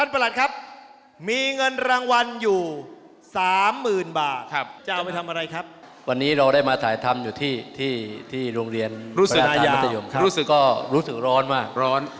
พร้อมให้กับศูนย์บันดาล